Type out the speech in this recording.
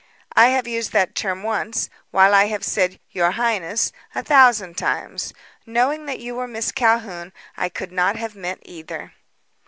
"I have used that term but once, while I have said 'your highness' a thousand times. Knowing that you were Miss Calhoun, I could not have meant either."